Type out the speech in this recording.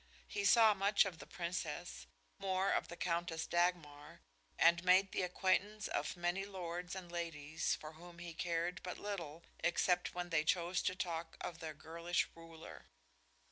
He saw much of the Princess, more of the Countess Dagmar, and made the acquaintance of many lords and ladies for whom he cared but little except when they chose to talk of their girlish ruler.